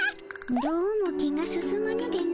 どうも気が進まぬでの。